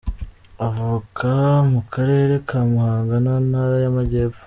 Avuka mu Karere ka Muhanga mu Ntara y’Amajyepfo.